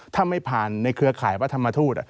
ถ้าไม่ผ่านเครือไขประธรรมทูต